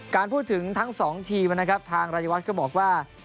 การพูดถึงทั้ง๒ทีมนะครับทางรายวัฒน์ก็บอกว่า